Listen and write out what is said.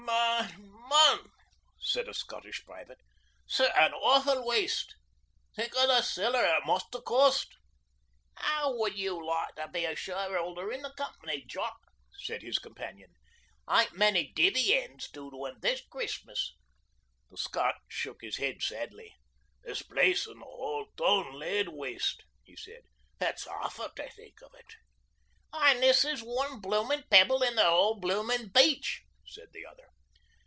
'Man, man,' said a Scottish private, 'sic an awfu' waste. Think o' the siller it must ha' cost.' ''Ow would you like to be a shareholder in the company, Jock?' said his companion. 'Ain't many divvydends due to 'em this Christmas.' The Scot shook his head sadly. 'This place an' the hale toon laid waste,' he said. 'It's awfu' tae think o' it.' 'An' this is one bloomin' pebble in a whole bloomin' beach,' said the other.